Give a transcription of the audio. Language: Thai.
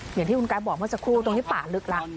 อย่างที่คุณไกด์บอกเมื่อสักครู่ตรงนี้ป่าลึกแล้ว